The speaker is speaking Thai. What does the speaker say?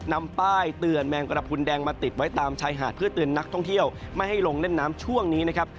นำป้ายเตือนแมงกระพุนแดงมาติดไว้ตามชายหาดเพื่อเตือนนักท่องเที่ยวไม่ให้ลงเล่นน้ำช่วงนี้นะครับ